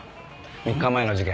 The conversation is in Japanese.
３日前の事件。